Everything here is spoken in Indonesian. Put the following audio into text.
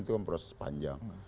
itu proses panjang